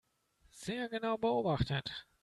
Sehr genau beobachtet.